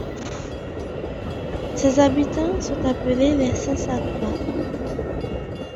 Ses habitants sont appelés les Sansacois.